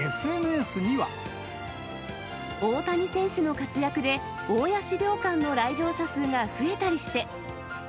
大谷選手の活躍で、大谷資料館の来場者数が増えたりして。